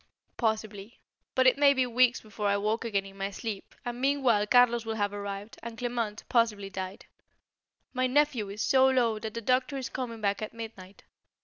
"Possibly; but it may be weeks before I walk again in my sleep, and meanwhile Carlos will have arrived, and Clement, possibly, died. My nephew is so low that the doctor is coming back at midnight.